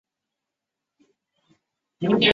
乾隆十四年上任台湾澎湖通判。